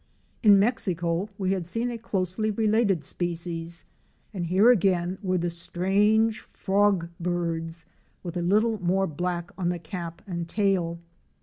In Mexico we had seen a closely related species and here again were the strange ''Frog birds," with a little more black on the cap and tail.